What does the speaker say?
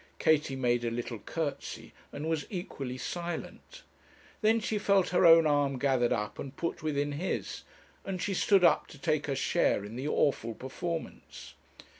Katie made a little curtsy, and was equally silent. Then she felt her own arm gathered up and put within his, and she stood up to take her share in the awful performance.